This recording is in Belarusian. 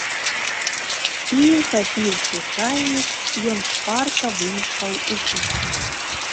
І, хапіўшы чайнік, ён шпарка выйшаў у кухню.